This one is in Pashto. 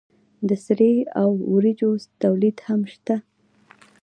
د سرې او وریجو تولید هم شته.